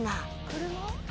「車？」